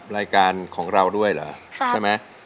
รายการเราด้วยหรอใช่มั้ย